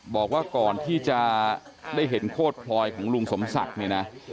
บอกว่าก่อนที่จะได้เห็นโคตรพลอยของลุงสมศักดิ์เนี่ยนะ